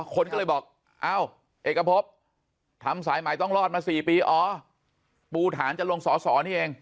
คนก็เลยบอกเอ้าเอกพบทำสายใหม่ต้องรอดมา๔ปีอ๋อปูฐานจะลงสอสอนี่เอง